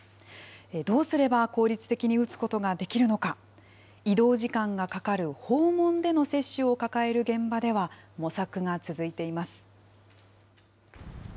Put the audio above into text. どうすれば効率的に打つことができるのか、移動時間がかかる訪問での接種を抱える現場では、模索が続いています。